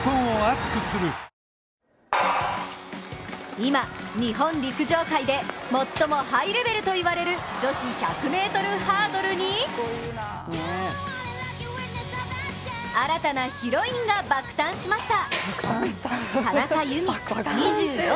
今、日本陸上界で最もハイレベルといわれる女子１００ｍハードルに新たなヒロインが爆誕しました。